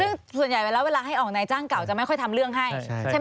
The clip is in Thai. ซึ่งส่วนใหญ่เวลาให้ออกนายจ้างเก่าจะไม่ค่อยทำเรื่องให้ใช่ไหม